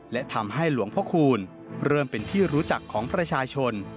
และทำให้หลวงพระคูณเริ่มเป็นที่รู้จักของประชาชน